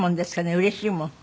うれしいもの？